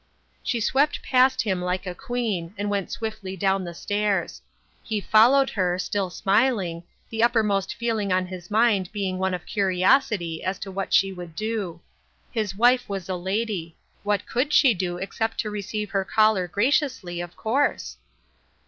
She swept past him like a queen, and went swiftly down the stairs. He followed her, still smiling, the uppermost feeling in his mind being one of curiosity as to what she would do. His 86 THE UNEXPECTED. wife was a lady. What could she do except to receive her caller graciously, of course